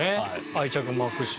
愛着も湧くし。